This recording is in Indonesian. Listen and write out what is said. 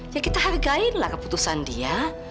ya kita hargailah keputusan dia